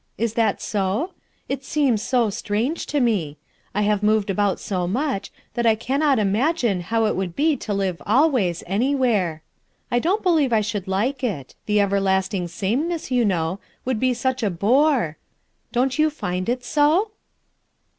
Is that ho? It seems so strange to mc 1 I have moved about m much that I cannot imagine how it would be to live always anywhere. I don't believe I should like it. The everlasting sameness, you know, would be such a bore. Don't you find it so?"